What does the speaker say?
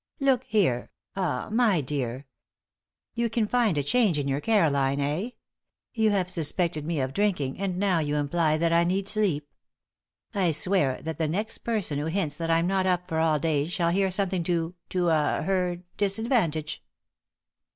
"Look here ah my dear! You find a change in your Caroline, eh? You have suspected me of drinking, and now you imply that I need sleep. I swear that the next person who hints that I'm not up for all day shall hear something to ah her disadvantage."